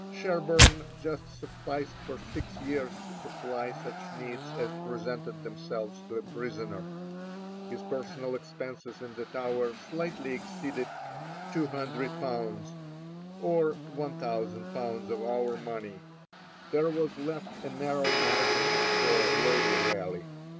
Sherborne just sufficed for six years to supply such needs as presented themselves to a prisoner. His personal expenses in the Tower slightly exceeded 200_l._, or 1,000_l._ of our money; there was left a narrow margin for Lady Raleigh.